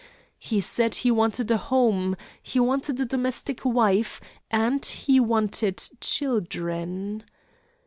He said he wanted a home; he wanted a domestic wife, and he wanted children.